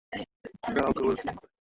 দাঁড়াও, খাবারের কী হবে?